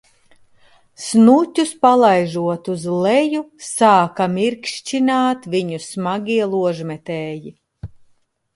Snuķus palaižot uz leju, sāka mirkšķināt viņu smagie ložmetēji.